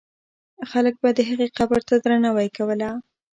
خلک به د هغې قبر ته درناوی کوله.